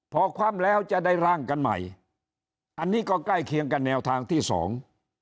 พอคว่ำแล้วจะได้ร่างกันใหม่อันนี้ก็ใกล้เคียงกันแนวทางที่สอง